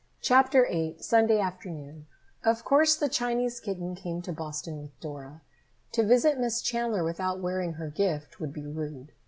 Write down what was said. CHAPTER VIII SUNDAY AFTERNOON Of course the Chinese kitten came to Boston with Dora. To visit Miss Chandler without wearing her gift would be rude.